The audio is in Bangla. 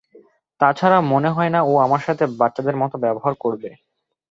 তাছাড়া, মনে হয় না ও আমার সাথে বাচ্চাদের মতো ব্যবহার করবে।